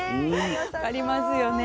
分かりますよね。